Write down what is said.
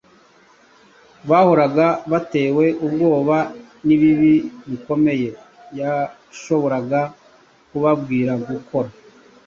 Bahoraga batewe ubwoba n’ibibi bikomeye yashoboraga kubabwira gukora.